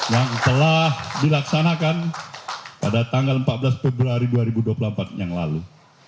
yang telah dilaksanakan pada tanggal empat belas februari dua ribu dua puluh empat yang lalu